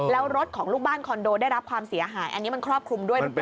แล้วรถของลูกบ้านคอนโดได้รับความเสียหายอันนี้มันครอบคลุมด้วยหรือเปล่า